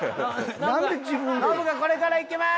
ノブが「これからいきまーす！